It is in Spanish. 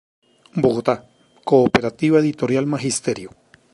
Bogotá: Cooperativa Editorial Magisterio.